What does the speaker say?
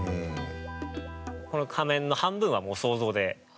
この仮面の半分はもう想像で。